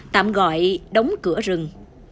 tạm gọi đóng cửa rừng